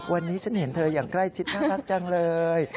วันนี้ฉันเห็นเธออย่างใกล้ชิดน่ารักจังเลย